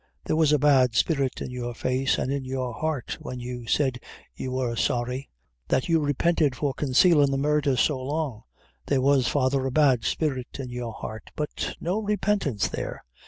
There was a bad spirit in your face and in your heart when you said you were sorry; that you repented for consalin' the murdher so long; there was, father, a bad spirit in your heart, but no repentance there!"